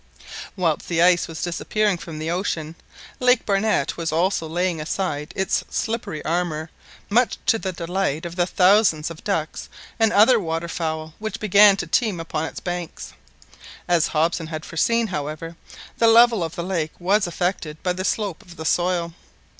Whilst the ice was disappearing from the ocean, Lake Barnett was also laying aside its slippery armour, much to the delight of the thousands of ducks and other water fowl which began to teem upon its banks. As Hobson had foreseen, however, the level of the lake was affected by the slope of the soil.